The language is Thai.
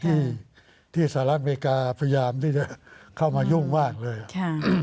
ที่ที่สหรัฐอเมริกาพยายามที่จะเข้ามายุ่งมากเลยอ่ะค่ะอืม